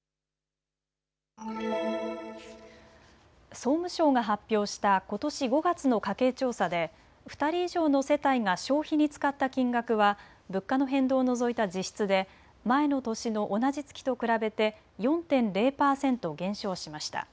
総務省が発表したことし５月の家計調査で２人以上の世帯が消費に使った金額は物価の変動を除いた実質で前の年の同じ月と比べて４．０％減少しました。